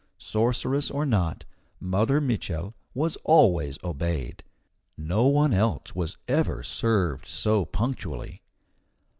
Sorceress or not, Mother Mitchel was always obeyed. No one else was ever served so punctually.